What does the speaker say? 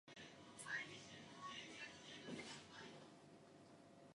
The present name is for George Pennock, a railroad official.